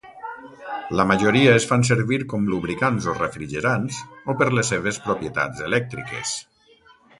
La majoria es fan servir com lubricants o refrigerants o per les seves propietats elèctriques.